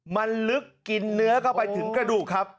มันลึกกินเนื้อเข้าไปถึงกระดูกครับ